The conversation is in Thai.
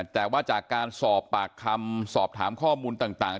แต่ว่าจากการสอบปากคำสอบถามข้อมูลต่าง